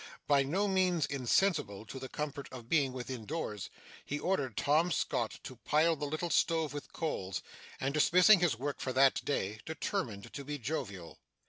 By no means insensible to the comfort of being within doors, he ordered Tom Scott to pile the little stove with coals, and, dismissing his work for that day, determined to be jovial.